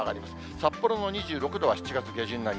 札幌の２６度は７月下旬並み。